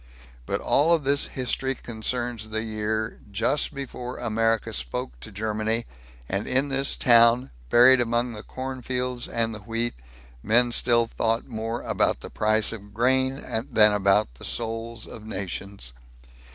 But all of this history concerns the year just before America spoke to Germany; and in this town buried among the cornfields and the wheat, men still thought more about the price of grain than about the souls of nations.